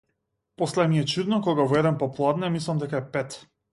После ми е чудно кога во еден попладне мислам дека е пет.